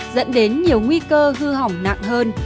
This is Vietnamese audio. dẫn đến nhiều nguy cơ hư hỏng nặng hơn